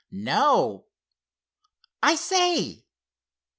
"No. I say!